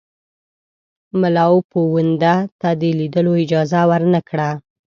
مُلاپوونده ته د لیدلو اجازه ورنه کړه.